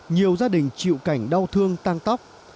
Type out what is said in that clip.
nhiều gia đình chịu cảnh đau thương tan tóc